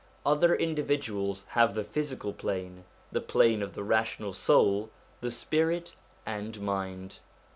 Other individuals have the physical plane, the plane of the rational soul the spirit and mind.